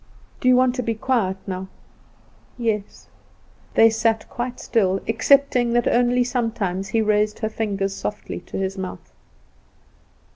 "Do you want to be quiet now?" "Yes." They sat quite still, excepting that only sometimes he raised her fingers softly to his mouth.